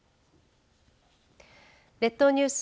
列島ニュース